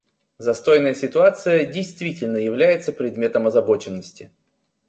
Застойная ситуация действительно является предметом озабоченности.